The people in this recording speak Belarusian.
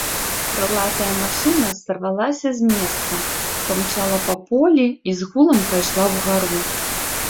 Крылатая машына сарвалася з месца, памчала па полі і з гулам пайшла ўгару.